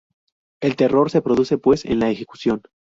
El error se produce, pues, en la ejecución.